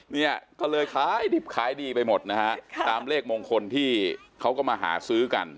เนี่ยก็เลยขายดิบขายดีไปหมดนะฮะตามเลขมงคลที่เขาก็มาหาซื้อกัน